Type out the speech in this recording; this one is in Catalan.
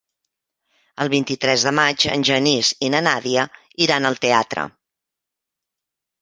El vint-i-tres de maig en Genís i na Nàdia iran al teatre.